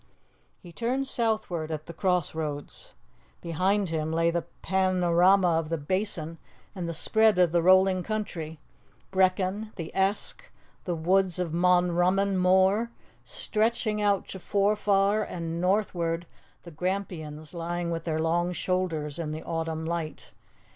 He turned southward at the cross roads. Behind him lay the panorama of the Basin and the spread of the rolling country; Brechin, the Esk, the woods of Monrummon Moor, stretching out to Forfar, and, northward, the Grampians, lying with their long shoulders in the autumn light.